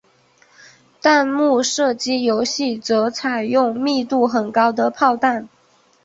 弹幕射击游戏则采用密度很高的炮弹。